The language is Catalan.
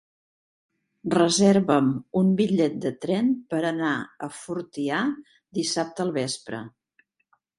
Reserva'm un bitllet de tren per anar a Fortià dissabte al vespre.